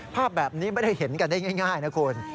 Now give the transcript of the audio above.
ภาพแบบนี้ไม่ได้เห็นกันได้ง่ายนะคุณ